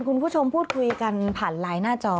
คุณผู้ชมพูดคุยกันผ่านไลน์หน้าจอ